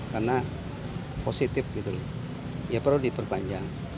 karena positif gitu ya perlu diperpanjang